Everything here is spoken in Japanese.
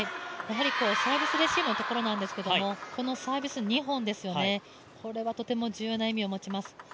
サービスレシーブのところなんですけど、このサービス２本ですよね、これはとても重要な意味を持ちます。